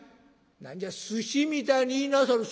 「何じゃすしみたいに言いなさる」。